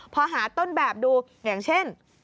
พอหาต้นแบบดูอย่างเช่น